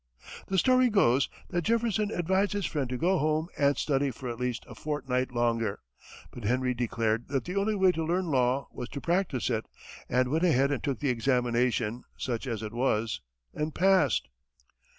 The story goes that Jefferson advised his friend to go home and study for at least a fortnight longer; but Henry declared that the only way to learn law was to practice it, and went ahead and took the examination, such as it was, and passed!